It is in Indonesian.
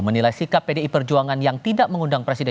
menilai sikap pdi perjuangan yang tidak mengundang presiden